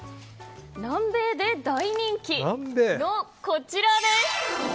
南米で大人気のこちらです。